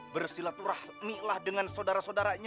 bersilaturahmi'lah dengan saudara saudaranya